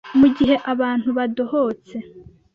Mu gihe abantu badohotse,